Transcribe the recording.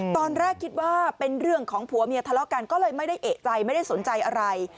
ตอนแรกคิดว่าเป็นเรื่องของผัวเมียทะเลาะกันก็เลยไม่ได้เอกใจไม่ได้สนใจอะไร